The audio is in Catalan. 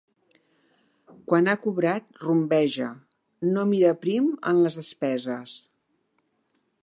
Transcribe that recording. Quan ha cobrat rumbeja: no mira prim en les despeses.